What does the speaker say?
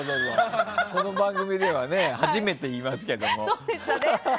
この番組では初めて言いますけど。